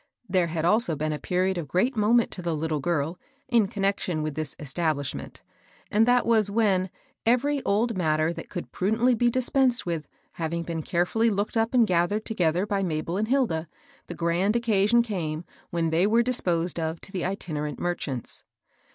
There had also been a period of great moment to the little girl, in connection with this establishment ;" and that was, when, every old matter that could prudently be dispensed with having been carefully looked up and gathered together by Mabel and Hilda, the grand occasion came when they were disposed of to the itinerant merchants.